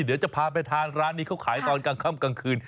เดี๋ยวจะพาไปทานร้านนี้เขาขายตอนกลางค่ำกลางคืน